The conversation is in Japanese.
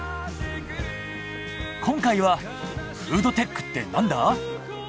今回はフードテックって何だ！？